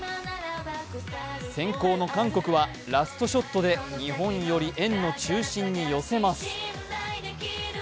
先攻の韓国はラストショットで日本より円の中心に寄せます。